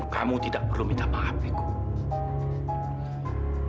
kamu tidak perlu minta maaf ikut